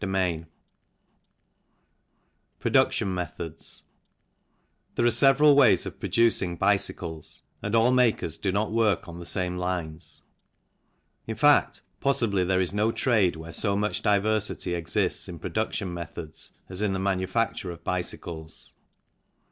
CHAPTER VI PRODUCTION METHODS THERE are several ways of producing bicycles and all makers do not work on the same lines, in fact, possibly there is no trade where so much diversity exists in production methods as in the manufacture of bicycles.